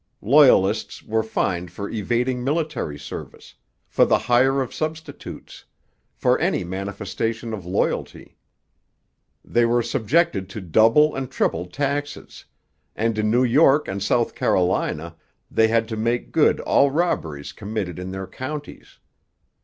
Loyalists were fined for evading military service, for the hire of substitutes, for any manifestation of loyalty. They were subjected to double and treble taxes; and in New York and South Carolina they had to make good all robberies committed in their counties.